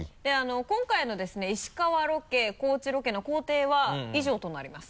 今回のですね石川ロケ高知ロケの行程は以上となります